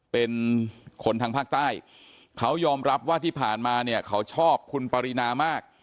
เป็นคนทางภาคใต้เขายอมรับว่าที่ผ่านมาเนี่ยเขาชอบคุณปรินามาก